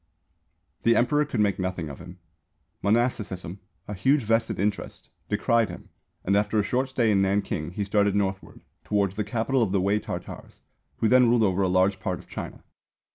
The Emperor could make nothing of him. Monasticism, a huge vested interest, decried him, and after a short stay in Nanking he started northward, towards the Capital of the Wei Tartars, who then ruled over a large part of China.